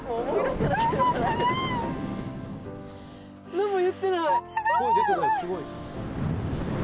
何も言ってない。